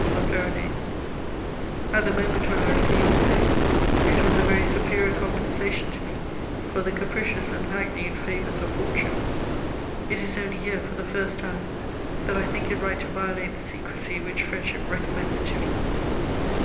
de La Ferronnays. At the moment when I received this note, it was a very superior compensation to me for the capricious and hackneyed favours of fortune. It is only here, for the first time, that I think it right to violate the secrecy which friendship recommended to me. [Sidenote: Letter from La Ferronays.